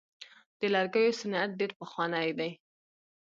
د لرګیو صنعت ډیر پخوانی دی.